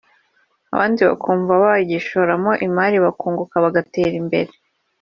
abandi bakumva bagishoramo imari bakunguka bagatera imbere